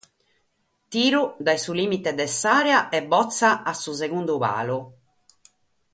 Tiru dae su lìmite de s'àrea e botza a su segundu palu.